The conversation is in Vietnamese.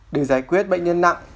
để giải quyết bệnh nhân nặng